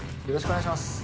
よろしくお願いします。